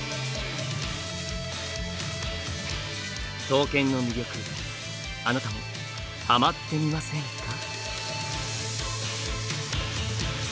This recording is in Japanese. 刀剣の魅力あなたもハマってみませんか？